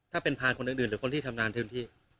ถ้าเป็นพานคนอื่นหรือคนที่ชำนาญเต็มที่